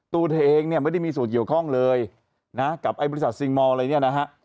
ตัวเธอเองเนี่ยไม่ได้มีส่วนเกี่ยวข้องเลยนะกับไอ้บริษัทซิงมอลอะไรเนี่ยนะฮะ